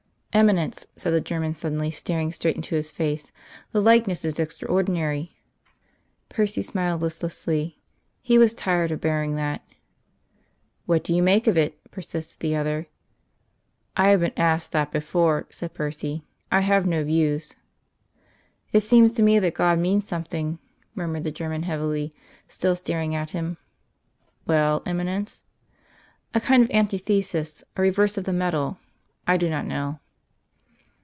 "Eminence," said the German suddenly, staring straight into his face, "the likeness is extraordinary." Percy smiled listlessly. He was tired of bearing that. "What do you make of it?" persisted the other. "I have been asked that before," said Percy. "I have no views." "It seems to me that God means something," murmured the German heavily, still staring at him. "Well, Eminence?" "A kind of antithesis a reverse of the medal. I do not know."